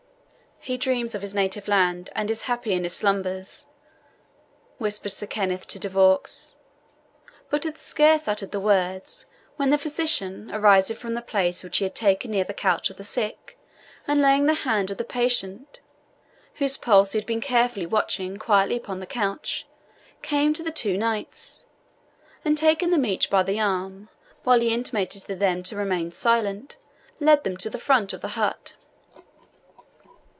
"He dreams of his native land, and is happy in his slumbers," whispered Sir Kenneth to De Vaux; but had scarce uttered the words, when the physician, arising from the place which he had taken near the couch of the sick, and laying the hand of the patient, whose pulse he had been carefully watching, quietly upon the couch, came to the two knights, and taking them each by the arm, while he intimated to them to remain silent, led them to the front of the hut.